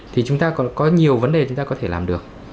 thì chúng ta còn có nhiều vấn đề chúng ta có thể làm được